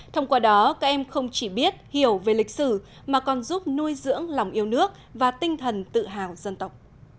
thông qua đó các em không chỉ biết hiểu về lịch sử mà còn giúp nuôi dưỡng lòng yêu nước và tinh thần tự hào dân tộc